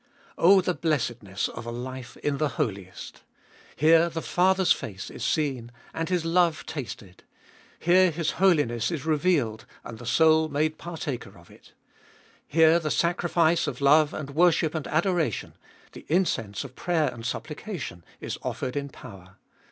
Oh the blessedness of a life in the Holiest! Here the Father's face is seen and His love tasted. Here His holiness is revealed and the soul made partaker of it. Here the sacrifice of love and worship and adoration, the incense of prayer and supplication, is offered in power.